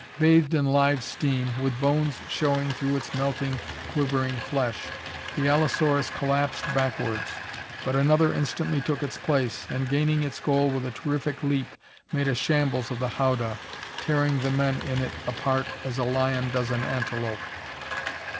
Bathed in live steam, with bones showing through its melting, quivering flesh, the allosaurus collapsed backwards, but another instantly took its place and, gaining its goal with a terrific leap, made a shambles of the howdah, tearing the men in it apart as a lion does an antelope.